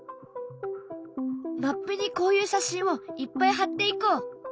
マップにこういう写真をいっぱい貼っていこう。